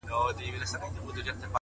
د چا او چا ژوند كي خوښي راوړي!